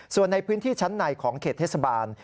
ส่วนในพื้นที่ชั้นในของเขตเทศบาล